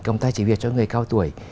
cầm tay chỉ việc cho người cao tuổi